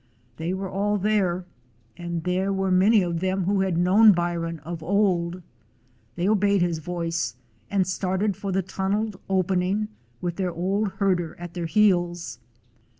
They were all there, and there were many of them who had known Byron of old. They obeyed his voice and started for the tunneled opening, with their old herder at their heels.